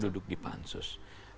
duduk di pansus